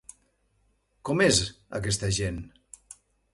Com és aquesta gent?